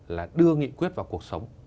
là đưa nghị quyết vào cuộc sống